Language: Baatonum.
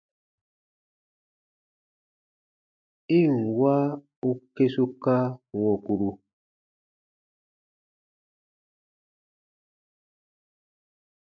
I ǹ wa u kesuka wɔ̃kuru!